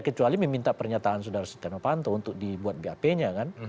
kecuali meminta pernyataan saudara setia novanto untuk dibuat bap nya kan